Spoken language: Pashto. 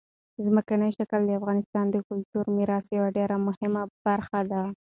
ځمکنی شکل د افغانستان د کلتوري میراث یوه ډېره مهمه برخه ده.